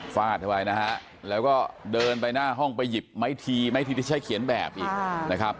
ฟาดเข้าไปนะฮะแล้วก็เดินไปหน้าห้องไปหยิบไม้ทีไม้ทีที่ใช้เขียนแบบอีกนะครับ